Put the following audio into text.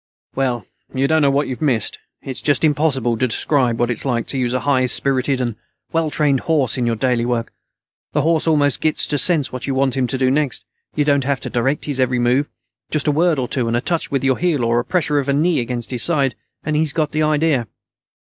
"Well, you don't know what you missed. It's just impossible to describe what it's like to use a high spirited and well trained horse in your daily work. The horse almost gets to sense what you want him to do next. You don't have to direct his every move. Just a word or two, and a touch with your heel or the pressure of your knee against his side, and he's got the idea.